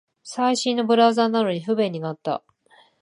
最新のブラウザなのに不便になった